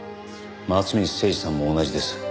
松水誠二さんも同じです。